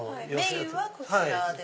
メインはこちらです。